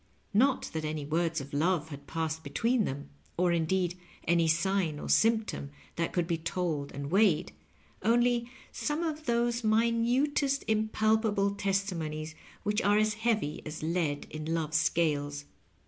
Not that any words of love had passed between them, or, indeed, any sign or symptom that could be told and weighed; only some of those minutest, impalpable testimonies which are as heavy as lead in Love's scales.